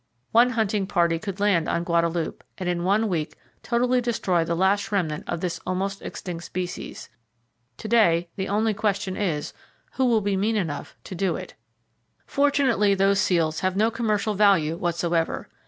One hunting party could land on Guadalupe, and in one week totally destroy the last remnant of this almost extinct species. To day the only question is, Who will be mean enough to do it? Fortunately, those seals have no commercial value whatsoever.